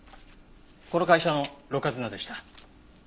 この会社のろ過砂でした。